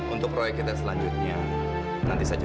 untuk proyek kita selanjutnya nanti saja